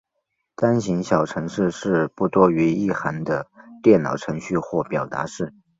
单行小程式是不多于一行的电脑程序或表达式。